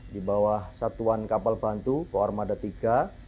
di bawah satuan kapal bantu ko armada tiga